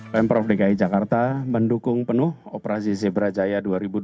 pemprov dki jakarta mendukung penuh operasi zebra jaya dua ribu dua puluh